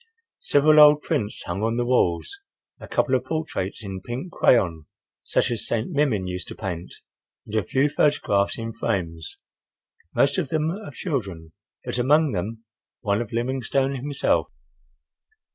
Several old prints hung on the walls, a couple of portraits in pink crayon, such as St. Mimin used to paint, and a few photographs in frames, most of them of children,—but among them one of Livingstone himself.